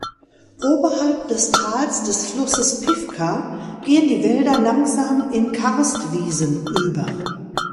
Oberhalb des Tals des Flusses Pivka gehen die Wälder langsam in Karstwiesen über.